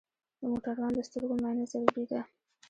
د موټروان د سترګو معاینه ضروري ده.